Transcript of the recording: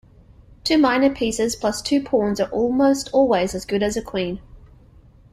Two minor pieces plus two pawns are almost always as good as a queen.